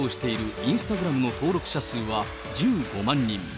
インスタグラムの登録者数は１５万人。